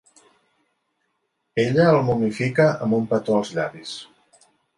Ella el momifica amb un petó als llavis.